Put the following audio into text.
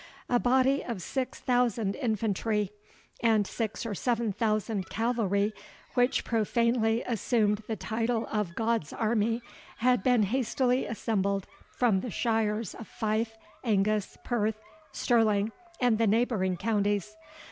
A body of six thousand infantry, and six or seven thousand cavalry, which profanely assumed the title of God's army, had been hastily assembled from the shires of Fife, Angus, Perth, Stirling, and the neighbouring counties.